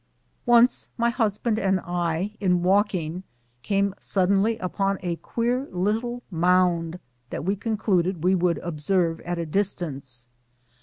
Once my husband and I, in walking, came suddenly upon a queer little mound, that we concluded we would observe at a distance.